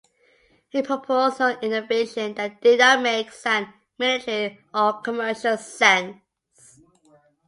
He proposed no innovation that did not make sound military or commercial sense.